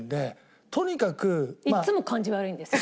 いっつも感じ悪いんですよ。